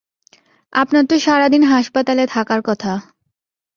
আপনার তো সারাদিন হাসপাতালে থাকার কথা।